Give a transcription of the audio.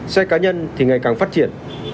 xe cá nhân thì ngày càng phát triển